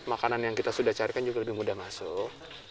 makanan yang kita sudah carikan juga lebih mudah masuk